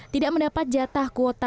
tidak mendapat jatah kualitas